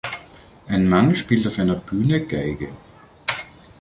Ein Mann spielt auf einer Bühne Geige.